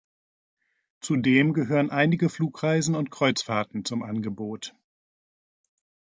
Zudem gehören einige Flugreisen und Kreuzfahrten zum Angebot.